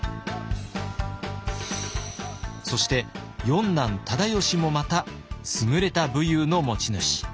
そして四男忠吉もまた優れた武勇の持ち主。